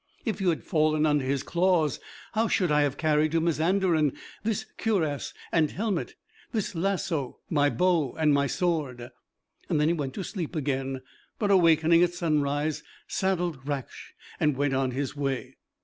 If you had fallen under his claws, how should I have carried to Mazanderan this cuirass and helmet, this lasso, my bow and my sword?" Then he went to sleep again; but awaking at sunrise, saddled Raksh and went on his way.